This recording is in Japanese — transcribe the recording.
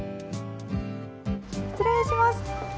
失礼します。